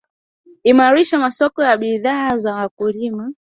imarisha masoko ya bidhaa za wakulima